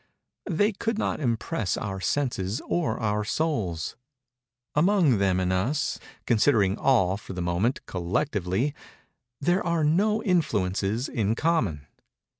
They could not impress our senses or our souls. Among them and us—considering all, for the moment, collectively—there are no influences in common.